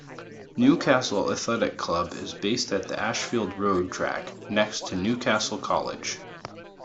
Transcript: Newcastle Athletic Club is based at the Ashfield Road track, next to Newcastle College.